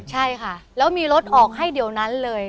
ใช่ค่ะแล้วมีรถออกให้เดี๋ยวนั้นเลย